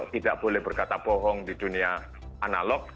tidak boleh berkata bohong di dunia analog